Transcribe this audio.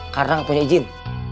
karena gak punya izin